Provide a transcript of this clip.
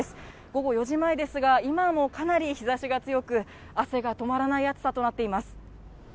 午後４時前ですが、今もかなり日ざしが強く、汗が止まらない暑さとなっています。